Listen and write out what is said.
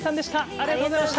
ありがとうございます。